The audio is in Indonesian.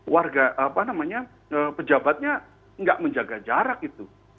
warga apa namanya pejabatnya nggak menjaga jarak itu